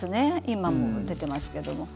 今も出てますけども。